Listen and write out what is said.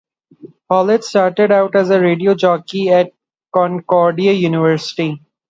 Hollett started out as a radio jockey at Concordia University.